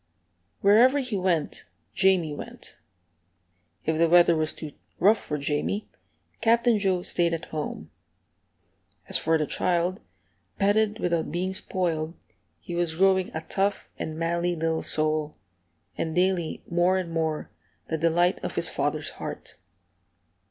Wherever he went, Jamie went. If the weather was too rough for Jamie, Captain Joe stayed at home. As for the child, petted without being spoiled, he was growing a tough and manly little soul, and daily more and more the delight of his father's heart.